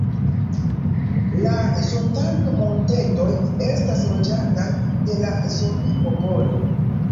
La Zotang-Montetoj estas loĝataj de la Zomi-popolo.